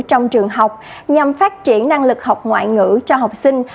trong trường học nhằm phát triển năng lực học ngoại ngữ cho học sinh